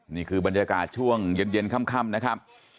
นี่คือบรรยากาศช่วงเย็นค่ำนะครับ